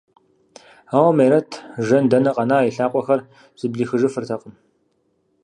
Ауэ Мерэт, жэн дэнэ къэна, и лъакъуэхэр зэблихыжыфыртэкъым.